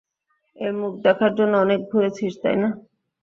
এই মুখ দেখার জন্য অনেক ঘুরেছিস, তাই না?